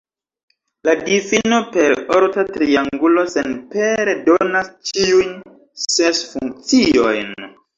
La difino per orta triangulo senpere donas ĉiujn ses funkciojn.